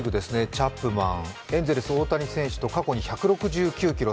チャップマン、エンゼルス・大谷選手と過去に１６９キロ